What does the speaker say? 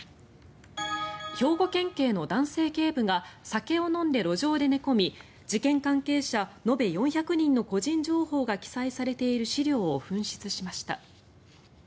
兵庫県警の男性警部が酒を飲んで路上で寝込み事件関係者延べ４００人の個人情報が記載されている資料を紛失しました。